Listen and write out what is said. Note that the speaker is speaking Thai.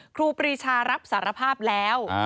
ครูปรีชารับสารภาพแล้ว